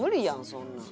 そんなん。